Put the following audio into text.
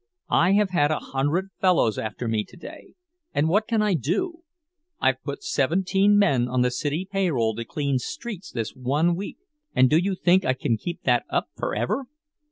I have had a hundred fellows after me today, and what can I do? I've put seventeen men on the city payroll to clean streets this one week, and do you think I can keep that up forever?